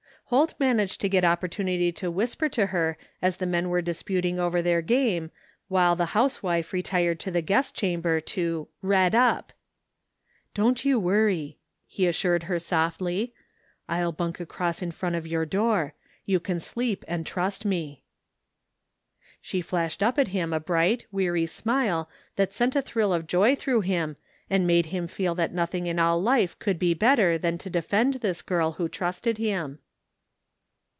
Holt managed to get opportunity to whisper to her as the men were disputing over their game while l^he housewife retired to the guest chamber to " red up." " Don't you worry," he reassured her softly. " Til bimk across in front of your door. You can sleep and trust me." 68 THE FINDING OF JASPER HOLT She flashed up at him a bright, weary smile that sent a thrill of joy throiigh him and made him fed that nothing in all life could be better than to defend this girl who trusted him.